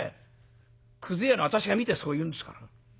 くず屋の私が見てそう言うんですから。